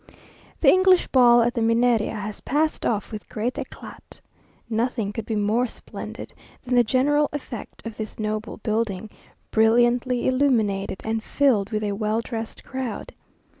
The English ball at the Mineria has passed off with great éclat. Nothing could be more splendid than the general effect of this noble building, brilliantly illuminated and filled with a well dressed crowd.